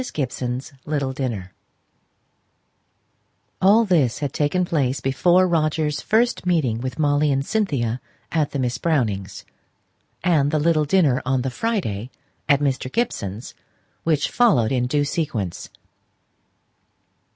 GIBSON'S LITTLE DINNER. [Illustration (untitled)] All this had taken place before Roger's first meeting with Molly and Cynthia at Miss Brownings'; and the little dinner on the Friday at Mr. Gibson's, which followed in due sequence.